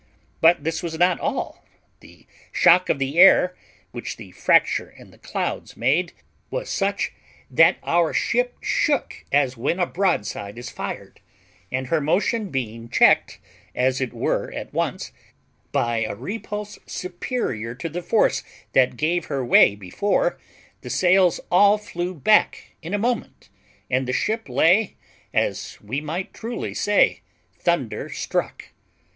But this was not all; the shock of the air, which the fracture in the clouds made, was such that our ship shook as when a broadside is fired; and her motion being checked, as it were at once, by a repulse superior to the force that gave her way before, the sails all flew back in a moment, and the ship lay, as we might truly say, thunder struck.